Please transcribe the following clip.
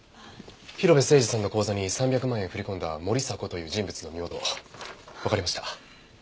広辺誠児さんの口座に３００万円振り込んだモリサコという人物の身元わかりました。